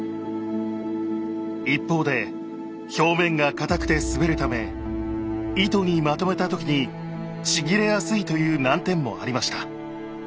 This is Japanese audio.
一方で表面が硬くて滑るため糸にまとめた時にちぎれやすいという難点もありました。